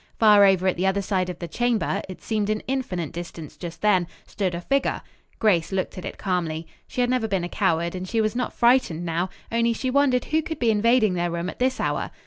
Far over at the other side of the chamber it seemed an infinite distance just then stood a figure. Grace looked at it calmly. She had never been a coward and she was not frightened now, only she wondered who could be invading their room at this hour.